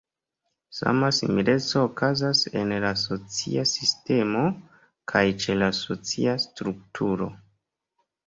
Sama simileco okazas en la "socia sistemo" kaj ĉe la "socia strukturo".